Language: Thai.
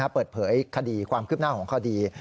เปิดเผยคดีความคืบหน้าของคดี